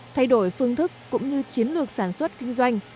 thay đổi phương thức cũng như chiến lược sản xuất kinh doanh